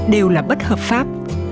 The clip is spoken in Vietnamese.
đều là bất hợp pháp